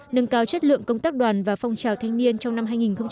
nâng cao chất lượng công tác đoàn và phong trào thanh niên trong năm hai nghìn một mươi bảy